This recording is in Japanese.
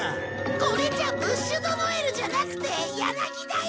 これじゃブッシュドノエルじゃなくて柳だよ！